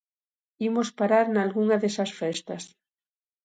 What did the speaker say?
Imos parar nalgunha desas festas.